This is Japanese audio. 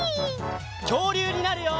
きょうりゅうになるよ！